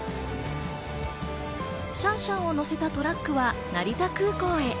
シャンシャンをのせたトラックは、成田空港へ。